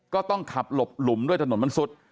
ก็ต้องขับหลบหลุมด้วยถนนมันซุด